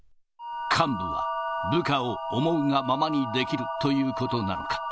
幹部は部下を思うがままにできるということなのか。